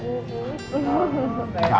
enggak gak telat